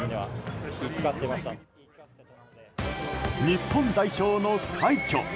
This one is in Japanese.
日本代表の快挙。